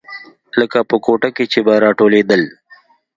لکه په کوټه کښې چې به راټولېدل.